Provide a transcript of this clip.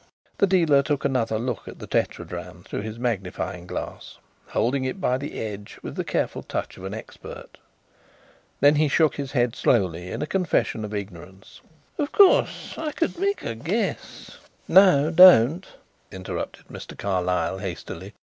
The dealer took another look at the tetradrachm through his magnifying glass, holding it by the edge with the careful touch of an expert. Then he shook his head slowly in a confession of ignorance. "Of course I could make a guess " "No, don't," interrupted Mr. Carlyle hastily.